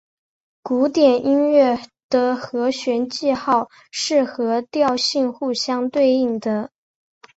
古典音乐的和弦记号是和调性互相对应的。